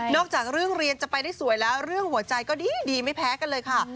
จากเรื่องเรียนจะไปได้สวยแล้วเรื่องหัวใจก็ดีไม่แพ้กันเลยค่ะ